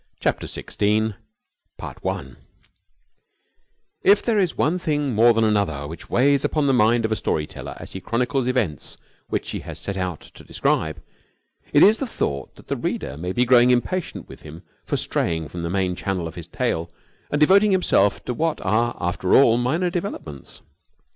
CHAPTER SIXTEEN 1 If there is one thing more than another which weighs upon the mind of a story teller as he chronicles the events which he has set out to describe, it is the thought that the reader may be growing impatient with him for straying from the main channel of his tale and devoting himself to what are after all minor developments.